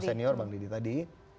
senior bang dedy tadi